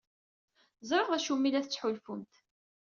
Ẓriɣ d acu umi la tettḥulfumt.